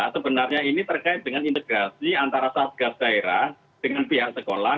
sebenarnya ini terkait dengan integrasi antara satgas daerah dengan pihak sekolah